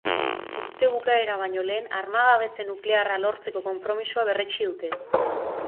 Urte bukaera baino lehen armagabetze nuklearra lortzeko konpromisoa berretsi dute.